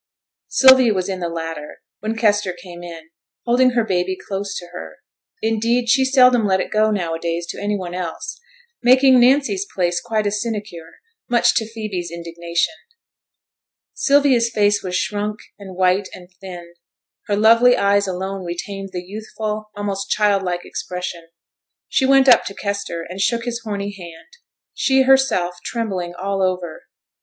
Sylvia was in the latter when Kester came in, holding her baby close to her; indeed, she seldom let it go now a days to any one else, making Nancy's place quite a sinecure, much to Phoebe's indignation. Sylvia's face was shrunk, and white, and thin; her lovely eyes alone retained the youthful, almost childlike, expression. She went up to Kester, and shook his horny hand, she herself trembling all over.